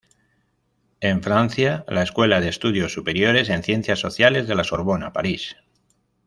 En Francia: la Escuela de Estudios Superiores en Ciencias Sociales de la Sorbona, París.